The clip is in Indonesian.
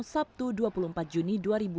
sabtu dua puluh empat juni dua ribu dua puluh